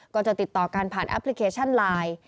ก็จะติดต่อกันผ่านแอปพลิเคชันไลน์